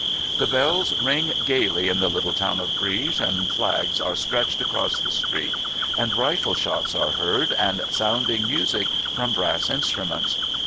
The bells ring gaily in the little town of Brieg, and flags are stretched across the street, and rifle shots are heard, and sounding music from brass instruments.